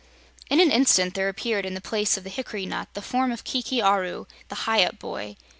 In an instant there appeared, in the place of the hickory nut, the form of Kiki Aru, the Hyup boy.